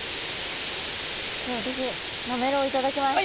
では私なめろういただきます。